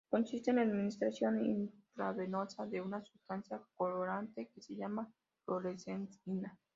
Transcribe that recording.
Consiste en la administración intravenosa de una sustancia colorante que se llama fluoresceína.